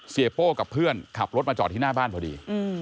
โป้กับเพื่อนขับรถมาจอดที่หน้าบ้านพอดี